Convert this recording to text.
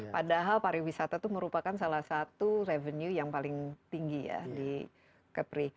padahal pariwisata itu merupakan salah satu revenue yang paling tinggi ya di kepri